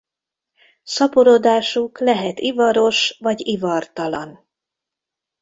Szaporodásuk lehet ivaros vagy ivartalan.